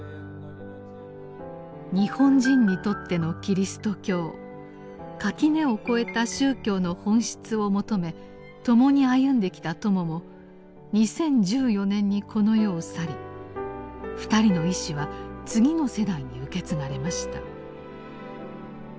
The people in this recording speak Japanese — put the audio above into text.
日本人にとってのキリスト教垣根を越えた宗教の本質を求め共に歩んできた友も２０１４年にこの世を去り２人の遺志は次の世代に受け継がれました。